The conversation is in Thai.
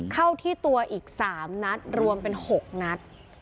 เข้าที่ตัวอีก๓นัดรวมเป็น๖นัด